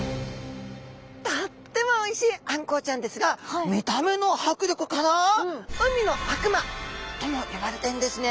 とってもおいしいあんこうちゃんですが見た目のはくりょくから海の悪魔とも呼ばれてるんですね。